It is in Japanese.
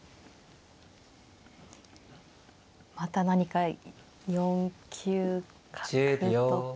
また何か４九角とか。